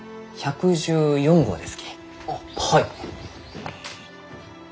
あっはい。